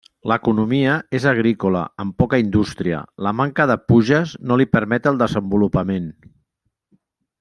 L'economia és agrícola amb poca indústria; la manca de puges no li permet el desenvolupament.